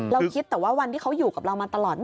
คิดแต่ว่าวันที่เขาอยู่กับเรามาตลอด